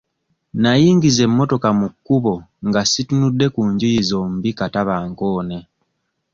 Nayingiza emmotoka mu kkubo nga situnudde ku njuyi zombi kata bankoone.